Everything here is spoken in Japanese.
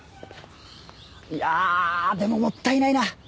いやあでももったいないな！